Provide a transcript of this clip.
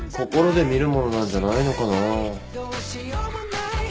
心で見るものなんじゃないのかなぁ。